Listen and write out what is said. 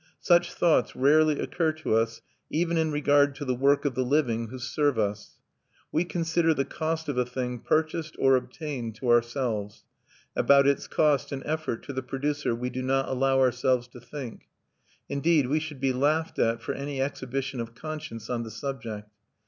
Such thoughts rarely occur to us even in regard to the work of the living who serve us. We consider the cost of a thing purchased or obtained to ourselves; about its cost in effort to the producer we do not allow ourselves to think: indeed, we should be laughed at for any exhibition of conscience on the subject.